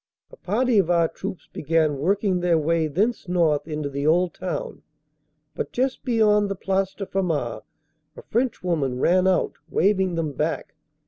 A party of our troops began working their way thence north into the old town, but just beyond the Place de Famars a Frenchwoman run out, waving them back.